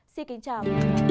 xin kính chào